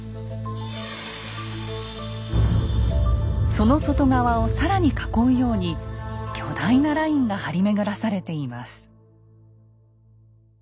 その外側を更に囲うように巨大なラインが張り巡らされています。